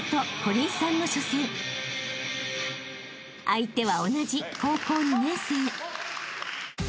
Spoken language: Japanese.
［相手は同じ高校２年生］